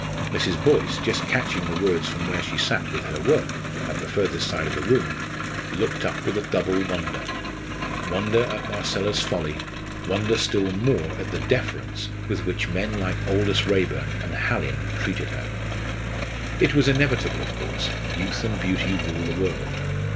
Mrs. Boyce, just catching the words from where she sat with her work, at the further side of the room, looked up with a double wonder wonder at Marcella's folly, wonder still more at the deference with which men like Aldous Raeburn and Hallin treated her. It was inevitable, of course youth and beauty rule the world.